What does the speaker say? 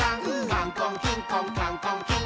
「カンコンキンコンカンコンキン！」